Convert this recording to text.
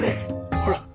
ほら！